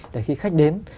để khi khách đến